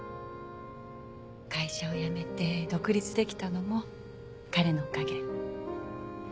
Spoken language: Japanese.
会社を辞めて独立できたのも彼のおかげ。